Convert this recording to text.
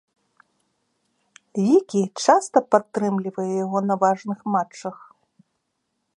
Вікі часта падтрымлівае яго на важных матчах.